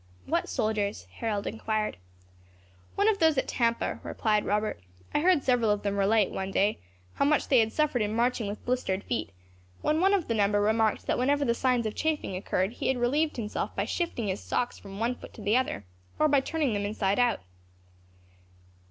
"What soldier's?" Harold inquired. "One of those at Tampa," replied Robert. "I heard several of them relate, one day, how much they had suffered in marching with blistered feet, when one of the number remarked that whenever the signs of chafing occurred he had relieved himself by shifting his socks from one foot to the other, or by turning them inside out.